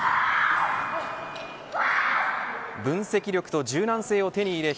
分析力と柔軟性を手に入れ